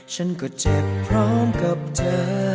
ฉันก็เจ็บพร้อมกับเธอ